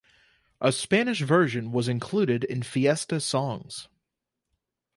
A Spanish version was included in Fiesta Songs!